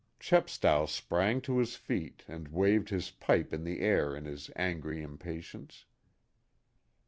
Chepstow sprang to his feet and waved his pipe in the air in his angry impatience.